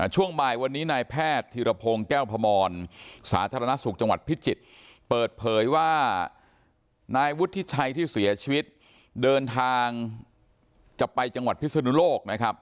ช่วงบ่ายวันนี้นายแพทย์ธีรพงศ์แก้วพมรสาธารณสุขจังหวัดพิจิตรเปิดเผยว่านายวุฒิชัยที่เสียชีวิตเดินทางจะไปจังหวัดพิศนุโลกนะครับ